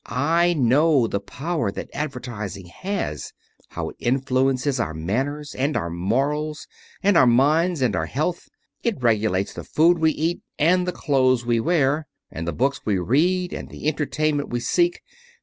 I know the power that advertising has; how it influences our manners, and our morals, and our minds, and our health. It regulates the food we eat, and the clothes we wear, and the books we read, and the entertainment we seek.